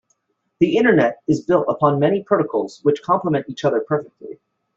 The internet is built upon many protocols which compliment each other perfectly.